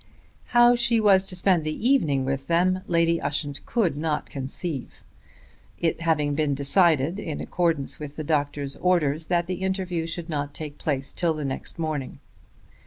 How she was to spend the evening with them Lady Ushant could not conceive, it having been decided, in accordance with the doctor's orders, that the interview should not take place till the next morning.